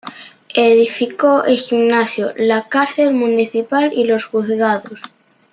Edificó el gimnasio, la cárcel municipal y los juzgados.